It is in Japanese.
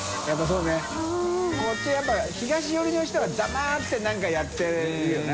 海辰やっぱ東よりの人は黙ってなんかやってるよな。